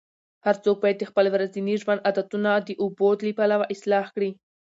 هر څوک باید د خپل ورځني ژوند عادتونه د اوبو له پلوه اصلاح کړي.